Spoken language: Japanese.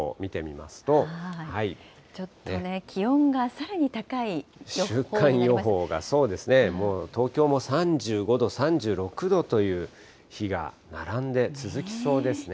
ちょっとね、週間予報が、そうですね、もう東京も３５度、３６度という日が並んで続きそうですね。